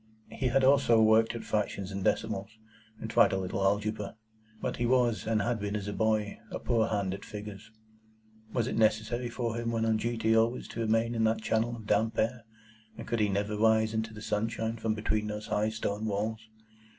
He had also worked at fractions and decimals, and tried a little algebra; but he was, and had been as a boy, a poor hand at figures. Was it necessary for him when on duty always to remain in that channel of damp air, and could he never rise into the sunshine from between those high stone walls?